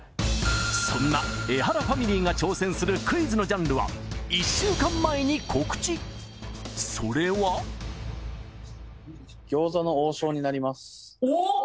そんなエハラファミリーが挑戦するクイズのジャンルは１週間前に告知それはおっ！